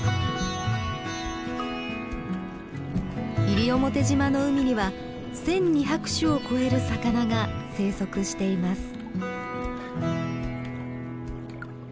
西表島の海には１，２００種を超える魚が生息しています。